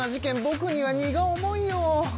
ぼくには荷が重いよ。